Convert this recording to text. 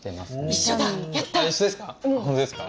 一緒ですか？